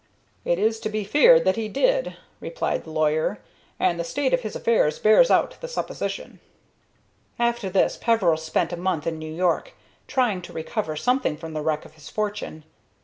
"It is to be feared that he did," replied the lawyer, "and the state of his affairs bears out the supposition." After this Peveril spent a month in New York, trying to recover something from the wreck of his fortune.